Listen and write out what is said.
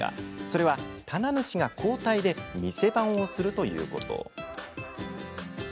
それは棚主が交代で店番をするということ。